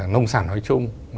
nông sản nói chung